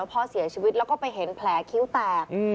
พ่อเสียชีวิตแล้วก็ไปเห็นแผลคิ้วแตก